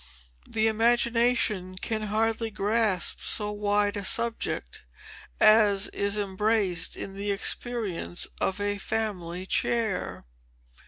The imagination can hardly grasp so wide a subject, as is embraced in the experience of a family chair."